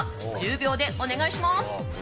１０秒でお願いします。